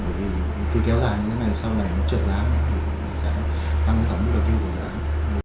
bởi vì khi kéo dài như thế này sau này trượt giá thì sẽ tăng thống đầu tiên của dự án